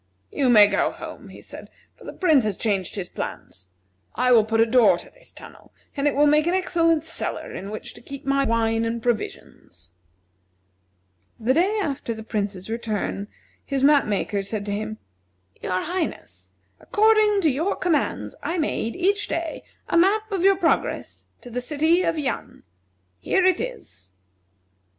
"You may go home," he said, "for the Prince has changed his plans. I will put a door to this tunnel, and it will make an excellent cellar in which to keep my wine and provisions." The day after the Prince's return his map maker said to him: "Your Highness, according to your commands I made, each day, a map of your progress to the city of Yan. Here it is."